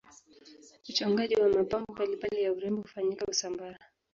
uchongaji wa mapambo mbalimbali ya urembo hufanyika usambara